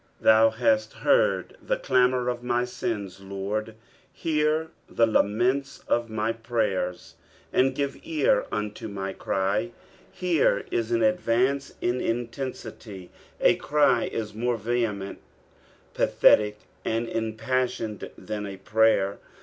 Thou hast heard the clamour of my sins. Lord ; hear the laments of my prayers. " And give ear unto my try." Here is an advance in intensity : A erf is more vehement, pathetic, and impassioned, than a prayer.